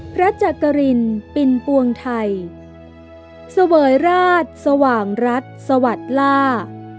พระจักรินปิณภวงไทยสวรรค์ราชสว่างรัฐสวัสดิลา